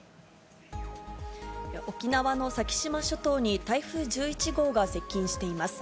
沖縄の先島諸島に台風１１号が接近しています。